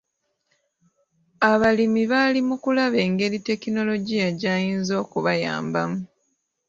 Abalimi bali mu kulaba engeri tekinologiya gy'ayinza okubayambamu.